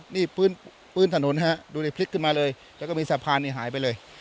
นี่พื้นถนนฮะดูดิพลิกขึ้นมาเลยแล้วก็มีสะพานนี้หายไปเลย